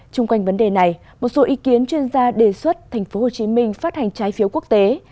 trung quanh vấn đề này một số ý kiến chuyên gia đề xuất tp hcm phát hành trái phiếu quốc tế